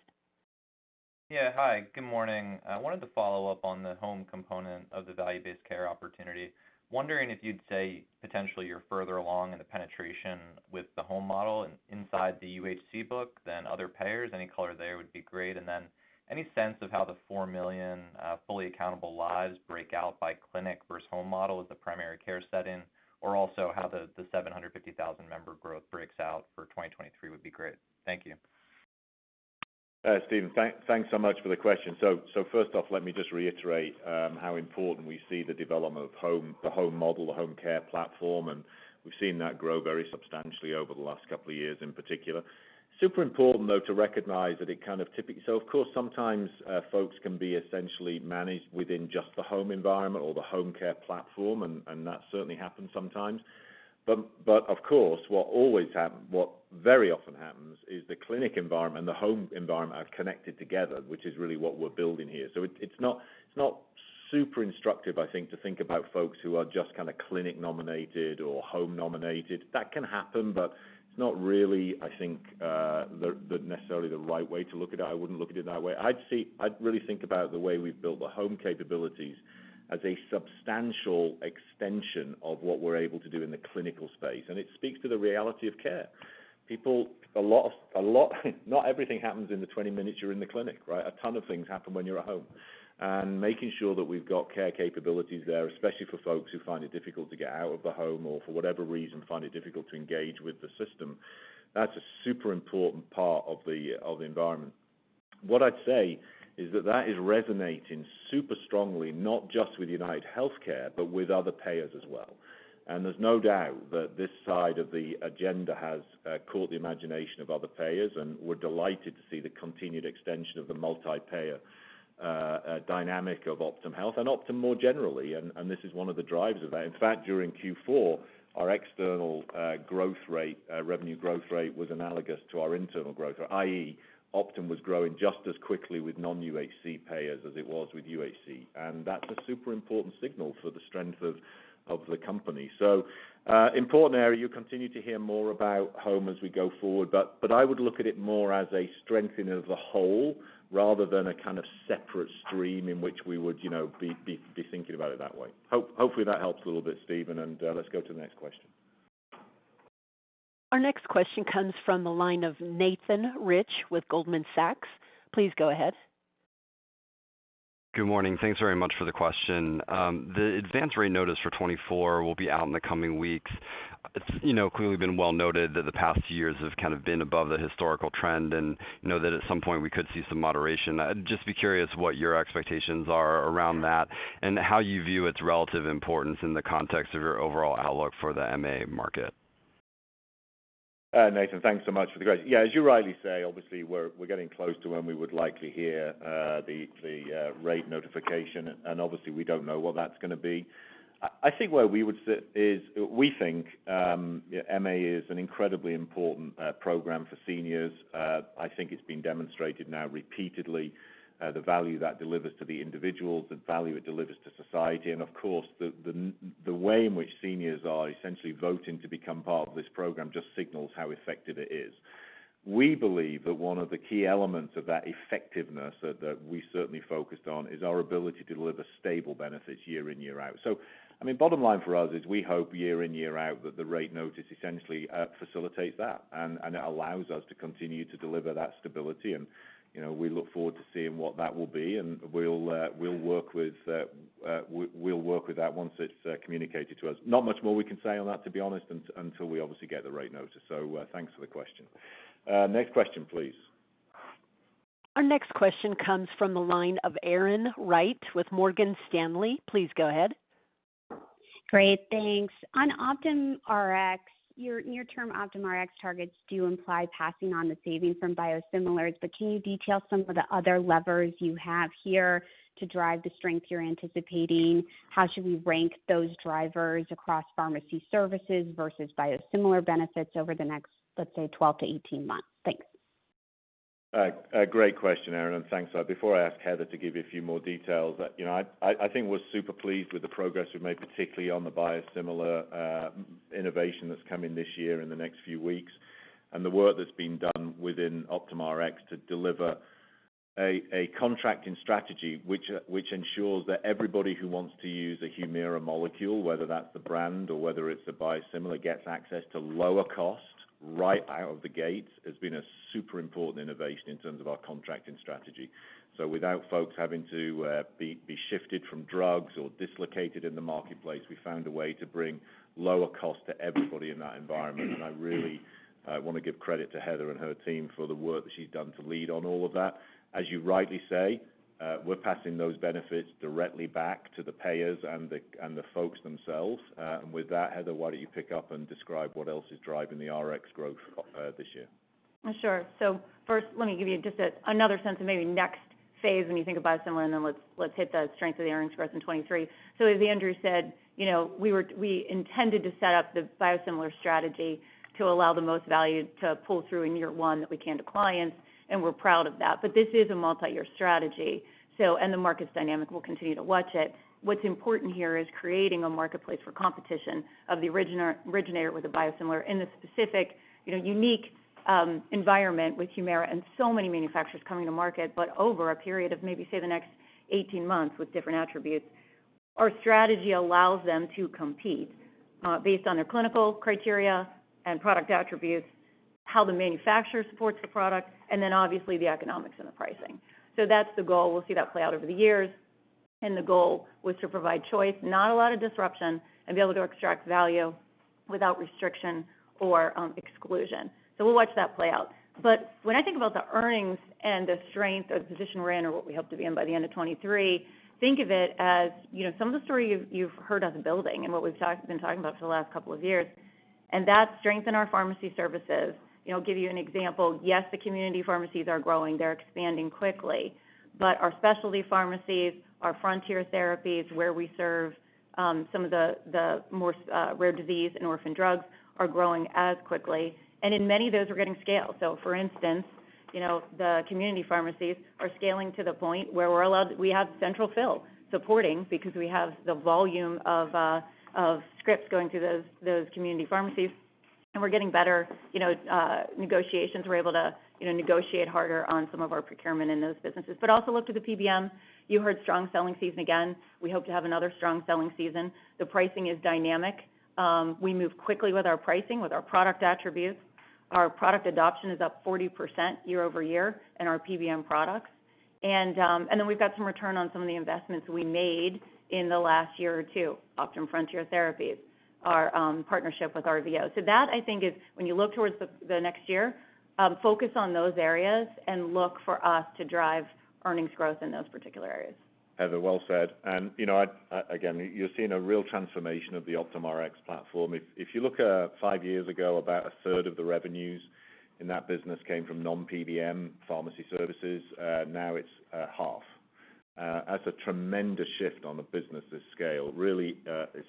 Yeah, hi. Good morning. I wanted to follow up on the home component of the value-based care opportunity. Wondering if you'd say potentially you're further along in the penetration with the home model inside the UnitedHealthcare book than other payers. Any color there would be great. Any sense of how the 4 million fully accountable lives break out by clinic versus home model is the primary care setting, or also how the 750,000 member growth breaks out for 2023 would be great. Thank you. Steven, thanks so much for the question. First off, let me just reiterate how important we see the development of home, the home model, the home care platform, and we've seen that grow very substantially over the last couple of years in particular. Super important, though, to recognize that it kind of typically. Of course, sometimes, folks can be essentially managed within just the home environment or the home care platform, and that certainly happens sometimes. Of course, what very often happens is the clinic environment, the home environment are connected together, which is really what we're building here. It's not super instructive, I think, to think about folks who are just kind of clinic-nominated or home-nominated. That can happen, but it's not really, I think, necessarily the right way to look at it. I wouldn't look at it that way. I'd really think about the way we've built the home capabilities as a substantial extension of what we're able to do in the clinical space. It speaks to the reality of care. People, not everything happens in the 20 minutes you're in the clinic, right? A ton of things happen when you're at home. Making sure that we've got care capabilities there, especially for folks who find it difficult to get out of the home or for whatever reason, find it difficult to engage with the system, that's a super important part of the, of the environment. What I'd say is that that is resonating super strongly, not just with UnitedHealthcare, but with other payers as well. There's no doubt that this side of the agenda has caught the imagination of other payers, and we're delighted to see the continued extension of the multi-payer dynamic of Optum Health and Optum more generally. This is one of the drivers of that. In fact, during Q4, our external growth rate, revenue growth rate was analogous to our internal growth, i.e., Optum was growing just as quickly with non-UHC payers as it was with UHC. That's a super important signal for the strength of the company. Important area. You'll continue to hear more about home as we go forward, but I would look at it more as a strengthening of the whole rather than a kind of separate stream in which we would, you know, be thinking about it that way. Hopefully, that helps a little bit, Steven, and let's go to the next question. Our next question comes from the line of Nathan Rich with Goldman Sachs. Please go ahead. Good morning. Thanks very much for the question. The advance rate notice for 2024 will be out in the coming weeks. It's, you know, clearly been well noted that the past years have kind of been above the historical trend, and know that at some point we could see some moderation. I'd just be curious what your expectations are around that and how you view its relative importance in the context of your overall outlook for the MA market. Nathan, thanks so much for the question. Yeah, as you rightly say, obviously, we're getting close to when we would likely hear the rate notification, and obviously, we don't know what that's gonna be. I think where we would sit is we think MA is an incredibly important program for seniors. I think it's been demonstrated now repeatedly, the value that delivers to the individuals, the value it delivers to society, and of course, the way in which seniors are essentially voting to become part of this program just signals how effective it is. We believe that one of the key elements of that effectiveness that we certainly focused on is our ability to deliver stable benefits year in, year out. I mean, bottom line for us is we hope year in, year out that the rate notice essentially facilitates that and it allows us to continue to deliver that stability. You know, we look forward to seeing what that will be, and we'll work with, we'll work with that once it's communicated to us. Not much more we can say on that, to be honest, until we obviously get the right notice. Thanks for the question. Next question, please. Our next question comes from the line of Erin Wright with Morgan Stanley. Please go ahead. Great. Thanks. On Optum Rx, your near-term Optum Rx targets do imply passing on the savings from biosimilars, but can you detail some of the other levers you have here to drive the strength you're anticipating? How should we rank those drivers across pharmacy services versus biosimilar benefits over the next, let's say, 12-18 months? Thanks. A great question, Erin, and thanks. Before I ask Heather to give you a few more details, you know, I think we're super pleased with the progress we've made, particularly on the biosimilar innovation that's coming this year in the next few weeks. The work that's been done within Optum Rx to deliver a contracting strategy which ensures that everybody who wants to use a Humira molecule, whether that's the brand or whether it's a biosimilar, gets access to lower cost right out of the gate, has been a super important innovation in terms of our contracting strategy. Without folks having to be shifted from drugs or dislocated in the marketplace, we found a way to bring lower cost to everybody in that environment. I really wanna give credit to Heather and her team for the work that she's done to lead on all of that. As you rightly say, we're passing those benefits directly back to the payers and the folks themselves. With that, Heather, why don't you pick up and describe what else is driving the Rx growth this year? Sure. First, let me give you just another sense of maybe next phase when you think of biosimilar, then let's hit the strength of the earnings growth in 23. As Andrew said, you know, we intended to set up the biosimilar strategy to allow the most value to pull through in year one that we can to clients, and we're proud of that. This is a multi-year strategy, so, and the market's dynamic, we'll continue to watch it. What's important here is creating a marketplace for competition of the originator with a biosimilar in the specific, you know, unique environment with Humira and so many manufacturers coming to market, but over a period of maybe, say, the next 18 months with different attributes. Our strategy allows them to compete, based on their clinical criteria and product attributes, how the manufacturer supports the product, and then obviously the economics and the pricing. That's the goal. We'll see that play out over the years. The goal was to provide choice, not a lot of disruption, and be able to extract value without restriction or exclusion. We'll watch that play out. When I think about the earnings and the strength of the position we're in or what we hope to be in by the end of 2023, think of it as, you know, some of the story you've heard us building and what we've been talking about for the last couple of years, and that's strength in our pharmacy services. You know, give you an example. Yes, the community pharmacies are growing, they're expanding quickly. Our specialty pharmacies, our frontier therapies where we serve, some of the more, rare disease and orphan drugs are growing as quickly. And in many of those, we're getting scale. For instance You know, the community pharmacies are scaling to the point where We have central fill supporting because we have the volume of scripts going through those community pharmacies, and we're getting better, you know, negotiations. We're able to, you know, negotiate harder on some of our procurement in those businesses. Also look to the PBM. You heard strong selling season again. We hope to have another strong selling season. The pricing is dynamic. We move quickly with our pricing, with our product attributes. Our product adoption is up 40% year-over-year in our PBM products. We've got some return on some of the investments we made in the last year or two, Optum Frontier Therapies, our partnership with RVO. That I think is when you look towards the next year, focus on those areas and look for us to drive earnings growth in those particular areas. Heather, well said. You know, again, you're seeing a real transformation of the Optum Rx platform. If you look at 5 years ago, about a third of the revenues in that business came from non-PBM pharmacy services. now it's half. That's a tremendous shift on the business's scale, really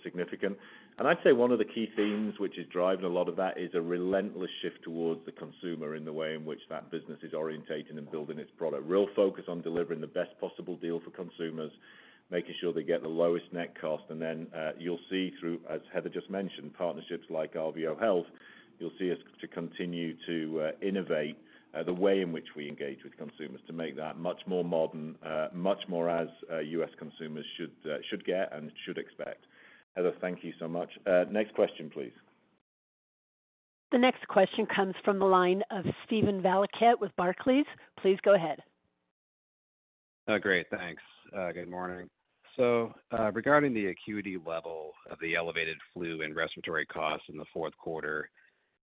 significant. I'd say one of the key themes, which is driving a lot of that, is a relentless shift towards the consumer in the way in which that business is orientated and building its product. Real focus on delivering the best possible deal for consumers, making sure they get the lowest net cost. Then, you'll see through, as Heather just mentioned, partnerships like RVO Health, you'll see us to continue to innovate the way in which we engage with consumers to make that much more modern, much more as U.S. consumers should get and should expect. Heather, thank you so much. Next question, please. The next question comes from the line of Steven Valiquette with Barclays. Please go ahead. Great, thanks. Good morning. Regarding the acuity level of the elevated flu and respiratory costs in the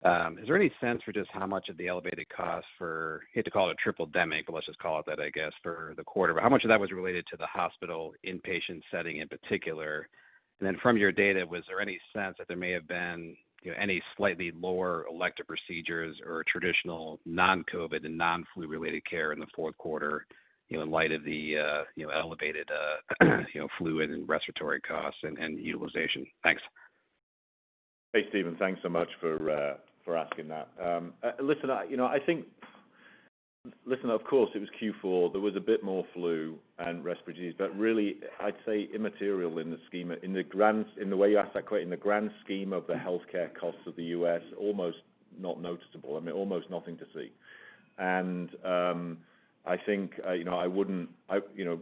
Q4, is there any sense for just how much of the elevated cost for, I hate to call it a tripledemic, but let's just call it that, I guess, for the quarter. How much of that was related to the hospital inpatient setting in particular? From your data, was there any sense that there may have been, you know, any slightly lower elective procedures or traditional non-COVID and non-flu related care in the Q4, you know, in light of the, you know, elevated, flu and respiratory costs and utilization? Thanks. Hey, Steven, thanks so much for asking that. Listen, you know, Listen, of course, it was Q4. There was a bit more flu and respiratory, but really, I'd say immaterial in the scheme, in the way you ask that question, in the grand scheme of the healthcare costs of the US, almost not noticeable. I mean, almost nothing to see. I think, you know, I wouldn't, I, you know,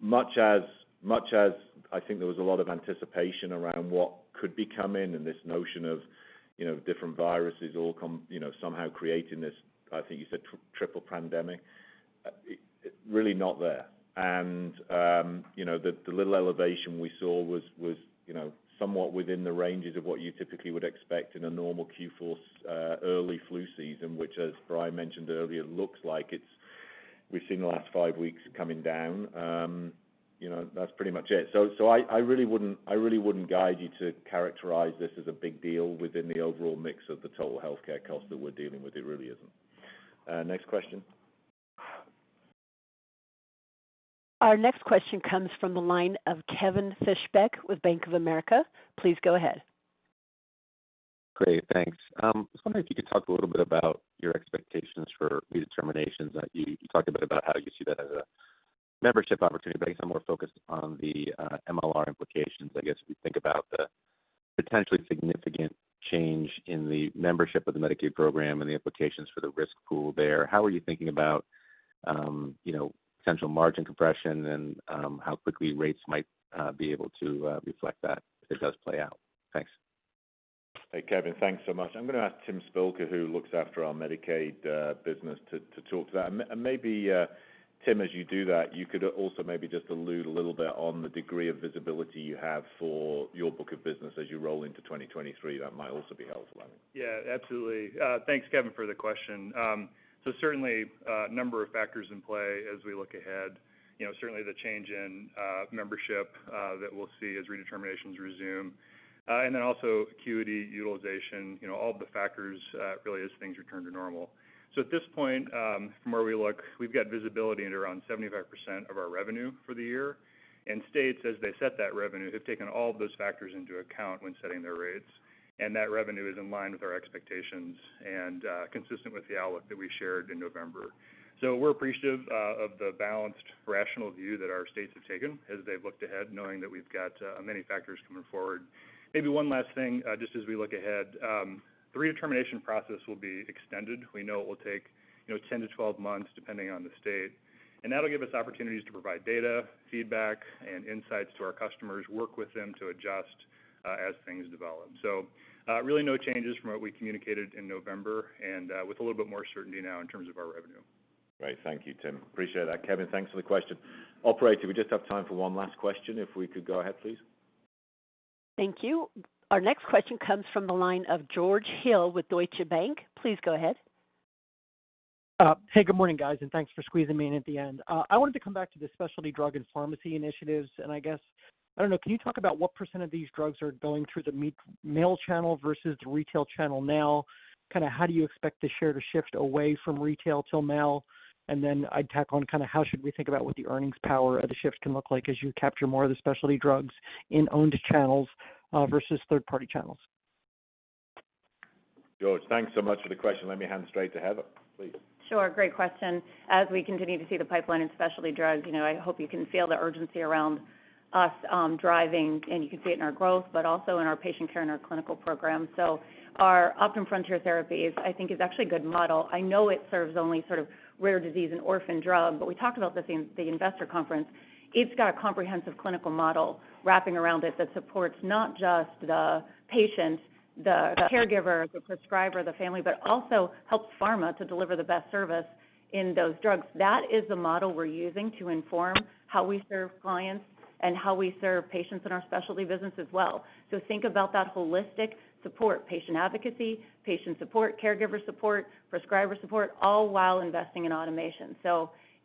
much as I think there was a lot of anticipation around what could be coming and this notion of, you know, different viruses all come, you know, somehow creating this, I think you said Tripledemic, really not there. You know, the little elevation we saw was, you know, somewhat within the ranges of what you typically would expect in a normal Q4, early flu season, which, as Brian mentioned earlier, looks like it's we've seen the last 5 weeks coming down. You know, that's pretty much it. I really wouldn't guide you to characterize this as a big deal within the overall mix of the total healthcare cost that we're dealing with. It really isn't. Next question. Our next question comes from the line of Kevin Fischbeck with Bank of America. Please go ahead. Great, thanks. I was wondering if you could talk a little bit about your expectations for redeterminations. You talked a bit about how you see that as a membership opportunity, but I guess I'm more focused on the MLR implications. I guess, if you think about the potentially significant change in the membership of the Medicaid program and the implications for the risk pool there. How are you thinking about, you know, central margin compression and how quickly rates might be able to reflect that if it does play out? Thanks. Hey, Kevin. Thanks so much. I'm gonna ask Tim Spilker, who looks after our Medicaid business, to talk to that. Maybe, Tim, as you do that, you could also maybe just allude a little bit on the degree of visibility you have for your book of business as you roll into 2023. That might also be helpful, I think. Yeah, absolutely. Thanks, Kevin, for the question. Certainly a number of factors in play as we look ahead. You know, certainly the change in membership that we'll see as redeterminations resume, and then also acuity, utilization, you know, all the factors really as things return to normal. At this point, from where we look, we've got visibility at around 75% of our revenue for the year. States, as they set that revenue, have taken all of those factors into account when setting their rates, and that revenue is in line with our expectations and consistent with the outlook that we shared in November. We're appreciative of the balanced, rational view that our states have taken as they've looked ahead, knowing that we've got many factors coming forward. Maybe one last thing, just as we look ahead. The redetermination process will be extended. We know it will take, you know, 10-12 months, depending on the state. That'll give us opportunities to provide data, feedback, and insights to our customers, work with them to adjust, as things develop. Really no changes from what we communicated in November and, with a little bit more certainty now in terms of our revenue. Great. Thank you, Tim. Appreciate that. Kevin, thanks for the question. Operator, we just have time for one last question, if we could go ahead, please. Thank you. Our next question comes from the line of George Hill with Deutsche Bank. Please go ahead. Hey, good morning, guys, and thanks for squeezing me in at the end. I wanted to come back to the specialty drug and pharmacy initiatives, and I guess, I don't know, can you talk about what % of these drugs are going through the mail channel versus the retail channel now? Kinda how do you expect the share to shift away from retail to mail? I'd tack on kinda how should we think about what the earnings power of the shifts can look like as you capture more of the specialty drugs in owned channels versus third-party channels? George, thanks so much for the question. Let me hand straight to Heather, please. Sure. Great question. As we continue to see the pipeline in specialty drugs, you know, I hope you can feel the urgency around us, driving, and you can see it in our growth, but also in our patient care and our clinical program. Our Optum Frontier Therapies, I think, is actually a good model. I know it serves only sort of rare disease and orphan drug, we talked about this in the investor conference. It's got a comprehensive clinical model wrapping around it that supports not just the patients, the caregiver, the prescriber, the family, but also helps pharma to deliver the best service in those drugs. That is the model we're using to inform how we serve clients and how we serve patients in our specialty business as well. Think about that holistic support, patient advocacy, patient support, caregiver support, prescriber support, all while investing in automation.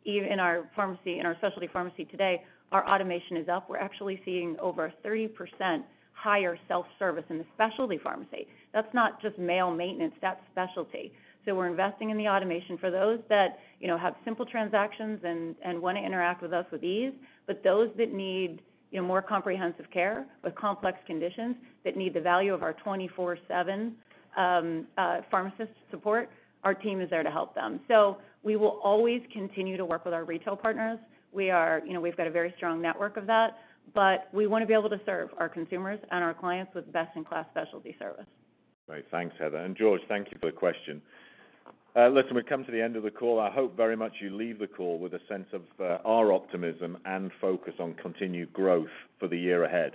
In our specialty pharmacy today, our automation is up. We're actually seeing over 30% higher self-service in the specialty pharmacy. That's not just mail maintenance, that's specialty. We're investing in the automation for those that, you know, have simple transactions and wanna interact with us with ease. Those that need, you know, more comprehensive care with complex conditions that need the value of our 24/7 pharmacist support, our team is there to help them. We will always continue to work with our retail partners. You know, we've got a very strong network of that, but we wanna be able to serve our consumers and our clients with best-in-class specialty service. Great. Thanks, Heather. George, thank you for the question. Listen, we've come to the end of the call. I hope very much you leave the call with a sense of our optimism and focus on continued growth for the year ahead.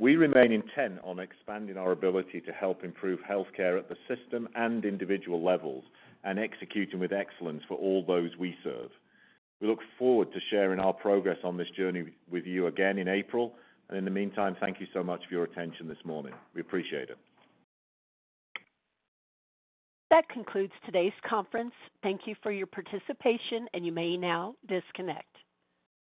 We remain intent on expanding our ability to help improve healthcare at the system and individual levels and executing with excellence for all those we serve. We look forward to sharing our progress on this journey with you again in April. In the meantime, thank you so much for your attention this morning. We appreciate it. That concludes today's conference. Thank you for your participation, and you may now disconnect.